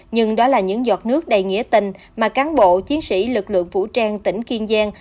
nhưng đó là những giọt nước đầy nghĩa tình mà cán bộ chiến sĩ lực lượng vũ trang tỉnh kiên giang